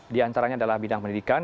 di antaranya adalah bidang pendidikan